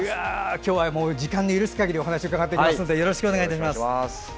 今日は時間の許す限りお話を伺っていきますのでよろしくお願いします。